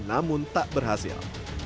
namun tak berhasil